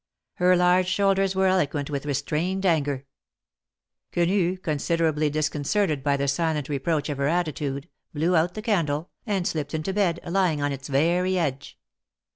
Her large shoulders were eloquent with restrained anger. Quenu, considerably disconcerted by the silent reproach of her attitude, blew out the candle, and slipped into bed, lying on its very edge.